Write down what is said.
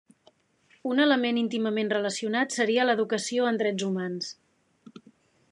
Un element íntimament relacionat seria l'Educació en drets humans.